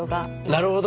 なるほど。